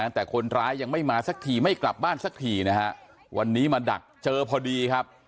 แต่คนร้ายยังไม่มาสักทีไม่กลับบ้านสักทีนะฮะวันนี้มาดักเจอพอดีครับ